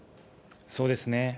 そうですね。